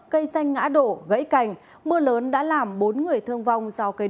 cây xanh ngã đổ gãy cành mưa lớn đã làm bốn người thương vong sau cây đổ